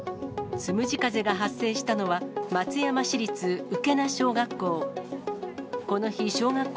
つむじ風が発生したのは、松山市立浮穴小学校。